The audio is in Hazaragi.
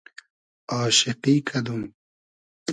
آشیقی کئدوم